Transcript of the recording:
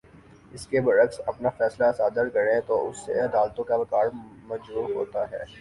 اس کے برعکس اپنا فیصلہ صادر کریں تو اس سے عدالتوں کا وقار مجروح ہوتا ہے